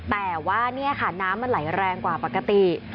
แต่ว่านี่ค่ะน้ำมันไหลแรงกว่าปกติ